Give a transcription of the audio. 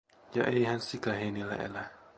Ja eihän sika heinillä elä.